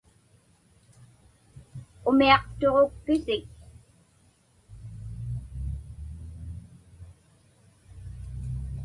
Umiaqtuġukpisik?